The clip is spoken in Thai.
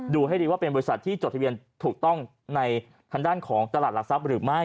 ดูให้ดีว่าเป็นบริษัทที่จดทะเบียนถูกต้องในทางด้านของตลาดหลักทรัพย์หรือไม่